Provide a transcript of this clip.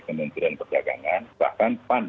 kementerian perdagangan bahkan pan